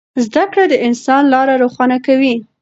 زده کړه د انسان لاره روښانه کوي.